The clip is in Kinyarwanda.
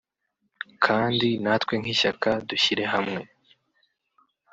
kandi natwe nk’ishyaka dushyire hamwe